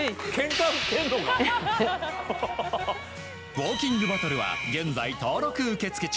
ウォーキングバトルは現在登録受け付け中。